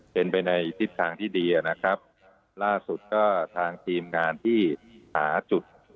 เป็นไปในทิศทางที่ดีนะครับล่าสุดก็ทางทีมงานที่หาจุด